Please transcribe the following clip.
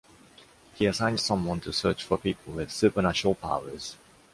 He assigned someone to search for people with supernatural powers.